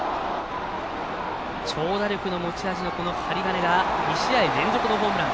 長打力が持ち味の針金が２試合連続のホームラン。